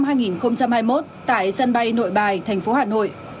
sáu giờ sáng ngày hai mươi một tháng tám năm hai nghìn hai mươi một tại sân bay nội bài tp hcm